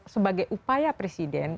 sebagai upaya presiden